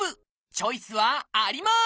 チョイスはあります！